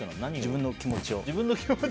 自分の気持ちを。